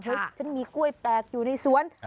ฉันมีกล้วยแปลกอยู่ในสวน